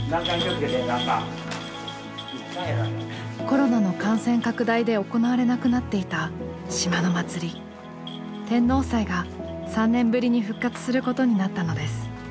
コロナの感染拡大で行われなくなっていた島の祭り「天王祭」が３年ぶりに復活することになったのです。